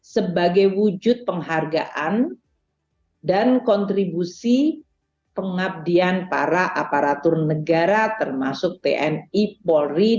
sebagai wujud penghargaan dan kontribusi pengabdian para aparatur negara termasuk tni polri